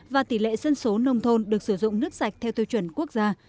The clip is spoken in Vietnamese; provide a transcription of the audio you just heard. và tỷ lệ dân số nông thôn được sử dụng nước sạch theo tiêu chuẩn quốc gia